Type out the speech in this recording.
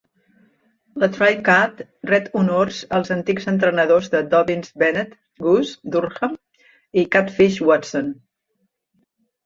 La Tribe Cup ret honors els antics entrenadors de Dobyns-Bennett "Goose" Durham i "Catfish" Watson.